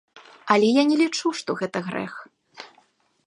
Але я не лічу, што гэта грэх.